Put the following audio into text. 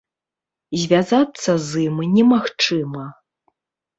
Звязацца з ім немагчыма.